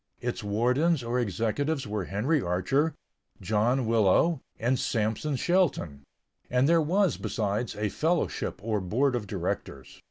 Its wardens or executives were Henry Archer, John Willowe, and Sampson Shelton; and there was, besides, a fellowship, or board of directors.